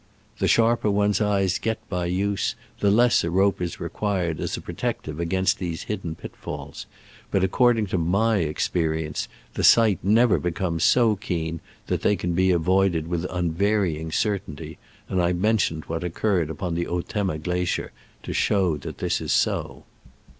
The sharper one's eyes get by use, the less is a rope required as a protective against these hidden pit falls, but according to my experience the sight never becomes so keen that they can be avoided with unvarying cer tainty, and I mentioned what occurred upon the Otemma glacier to show that this is so.